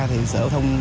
thì sở thông